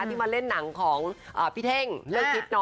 ที่มาเล่นหนังของพี่เท้งล